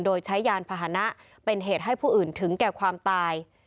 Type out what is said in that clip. โดยใช้ยานพาหนะเป็นเหตุให้ผู้อื่นถึงแก่ความตาย